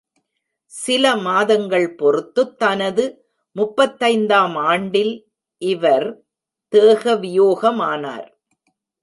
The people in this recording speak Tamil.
சில மாதங்கள் பொறுத்துத் தனது முப்பத்தைந்தாம் ஆண்டில் இவர் தேகவியோகமானார்.